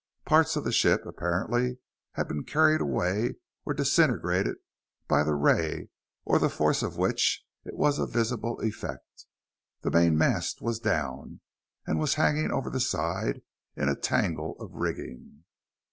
Parts of the ship apparently had been carried away or disintegrated by the ray or the force of which it was a visible effect. The mainmast was down, and was hanging over the side in a tangle of rigging.